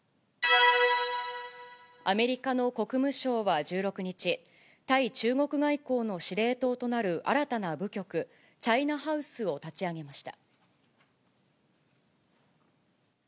アメリカの国務省は１６日、対中国外交の司令塔となる新たな部局、チャイナハウスを立ち上げました。